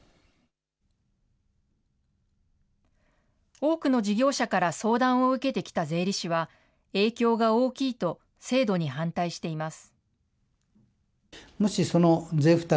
多くの事業者から相談を受けてきた税理士は、影響が大きいと制度に反対しています。